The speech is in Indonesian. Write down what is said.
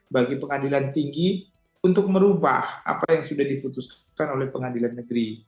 bagi pengadilan tinggi untuk merubah apa yang sudah diputuskan oleh pengadilan negeri